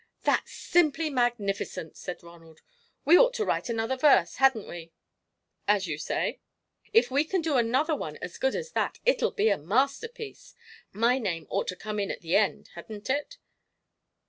"That's simply magnificent!" said Ronald. "We ought to write another verse, hadn't we?" "As you say." "If we can do another one as good as that, it'll be a masterpiece. My name ought to come in at the end, hadn't it?"